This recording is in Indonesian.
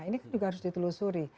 ini kan juga harus ditelusuri